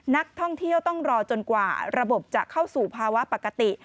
นักท่องเที่ยวต้องรอจนกว่าระบบจะเข้าสู่ภาวะปกติ